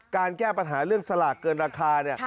การแก้ปัญหาเรื่องสลากเกินราคา